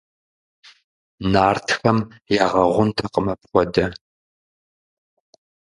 Нартхэм ягъэгъунутэкъым апхуэдэ.